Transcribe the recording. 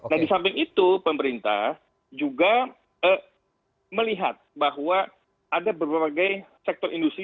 nah di samping itu pemerintah juga melihat bahwa ada berbagai sektor industri